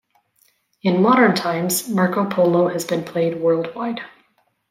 In modern times, Marco Polo has been played worldwide.